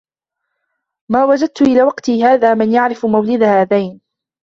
مَا وَجَدْت إلَى وَقْتِي هَذَا مَنْ يَعْرِفُ مَوْلِدَ هَذَيْنِ